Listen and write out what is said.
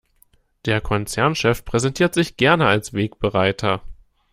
Der Konzernchef präsentiert sich gerne als Wegbereiter.